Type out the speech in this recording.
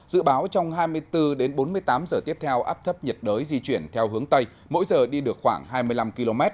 dự báo trong hai mươi bốn đến bốn mươi tám giờ tiếp theo áp thấp nhiệt đới di chuyển theo hướng tây mỗi giờ đi được khoảng hai mươi năm km